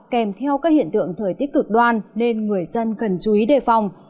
kèm theo các hiện tượng thời tiết cực đoan nên người dân cần chú ý đề phòng